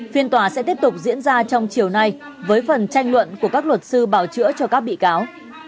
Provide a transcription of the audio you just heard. phiên tòa sẽ tiếp tục diễn ra trong chiều nay với phần tranh luận của các luật sư bảo chữa cho các bị cáo